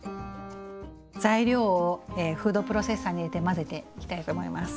材料をフードプロセッサーに入れて混ぜていきたいと思います。